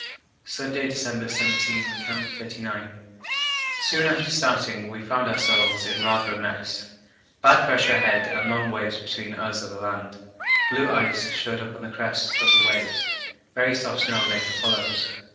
Sunday, December 17. Camp 39. Soon after starting we found ourselves in rather a mess; bad pressure ahead and long waves between us and the land. Blue ice showed on the crests of the waves; very soft snow lay in the hollows.